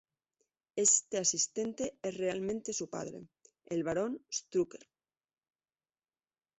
Este asistente es realmente su padre, el Barón Strucker.